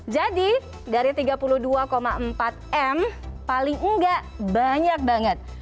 jadi dari tiga puluh dua empat m paling enggak banyak banget